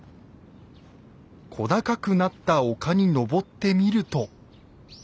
小高くなった丘に登ってみると。